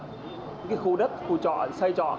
những cái khu đất khu trọ xây trọ